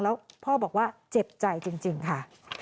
แล้วพ่อบอกว่าเจ็บใจจริงค่ะ